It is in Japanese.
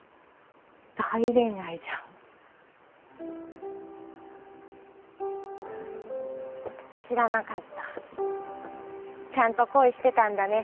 大恋愛じゃん知らなかったちゃんと恋してたんだね